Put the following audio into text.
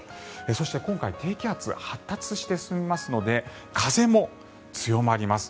そして、今回低気圧、発達して進みますので風も強まります。